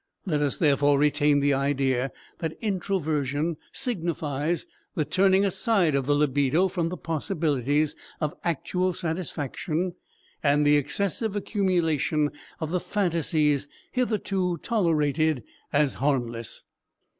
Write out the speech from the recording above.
Let us therefore retain the idea that introversion signifies the turning aside of the libido from the possibilities of actual satisfaction and the excessive accumulation of the phantasies hitherto tolerated as harmless.